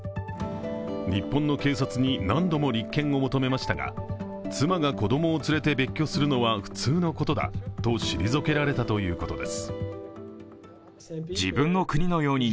日本の警察に何度も立件を求めましたが、妻が子供を連れて別居するのは普通のことだと退けられたということです。